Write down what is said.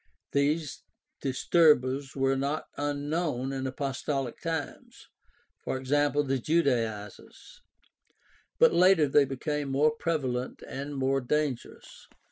These disturbers were not unknown in apostolic times (e.g., the Judaizers), but later they became more prevalent and more dangerous.